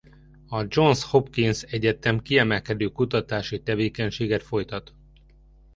A Johns Hopkins Egyetem kiemelkedő kutatási tevékenységet folytat.